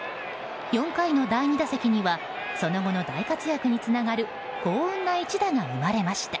４回の第２打席にはその後の大活躍につながる幸運な一打が生まれました。